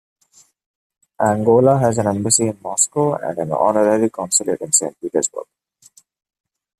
Angola has an embassy in Moscow and an honorary consulate in Saint Petersburg.